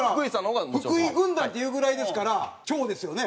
福井軍団っていうぐらいですから長ですよね？